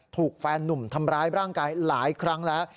ถูกแฟนหนุ่มทำร้ายร่างกายหลายครั้งแล้ว